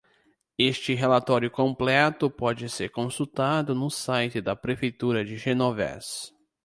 Este relatório completo pode ser consultado no site da Prefeitura de Genovés.